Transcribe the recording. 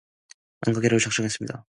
안 가기로 작정했습니다.